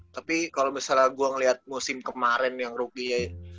tapi kalo misalnya gue ngeliat musim kemarin yang ruginya